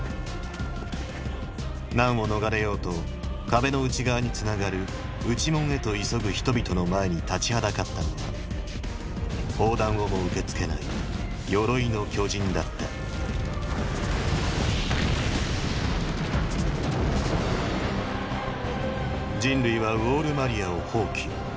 難を逃れようと壁の内側につながる内門へと急ぐ人々の前に立ちはだかったのは砲弾をも受けつけない「鎧の巨人」だった人類はウォール・マリアを放棄。